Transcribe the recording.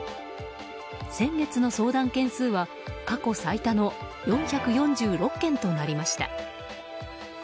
先月の相談件数は過去最多の４４６件となりました。